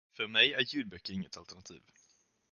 För mig är ljudböcker inget alternativ.